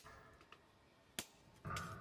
কিছু নিশ্চয় করা সম্ভব।